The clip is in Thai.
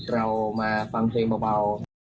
เรามาฟังเพลงเบา